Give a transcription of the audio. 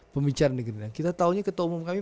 pembicaraan di gerinda kita taunya ketua umum kami